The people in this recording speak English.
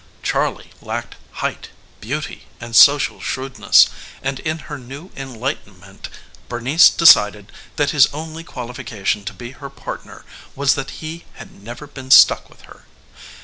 Charley lacked height, beauty, and social shrewdness, and in her new enlightenment Bernice decided that his only qualification to be her partner was that he had never been stuck with her.